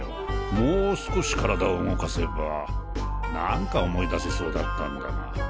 もう少し体を動かせば何か思い出せそうだったんだが。